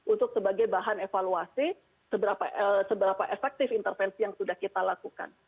untuk sebagai bahan evaluasi seberapa efektif intervensi yang sudah kita lakukan